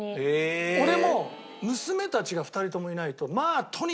俺も娘たちが２人ともいないとまあとにかく。